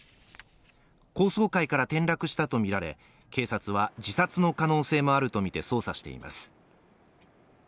高層階から転落したとみられ、警察は、自殺の可能性もあるとみて捜査しています。